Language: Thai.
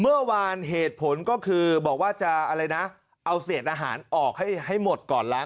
เมื่อวานเหตุผลก็คือบอกว่าจะอะไรนะเอาเศษอาหารออกให้หมดก่อนล้าง